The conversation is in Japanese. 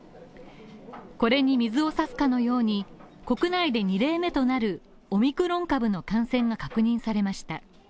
これに水を差すかのように、国内で２例目となるオミクロン株の感染が確認されました。